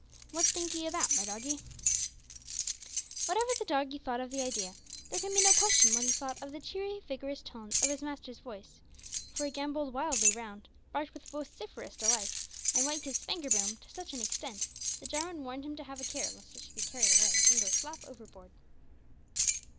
What think 'ee o' that, my doggie?" Whatever the doggie thought of the idea, there can be no question what he thought of the cheery vigorous tones of his master's voice, for he gambolled wildly round, barked with vociferous delight, and wagged his "spanker boom" to such an extent that Jarwin warned him to have a care lest it should be carried away, an' go slap overboard.